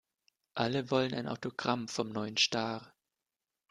Alle wollen ein Autogramm vom neuen Star.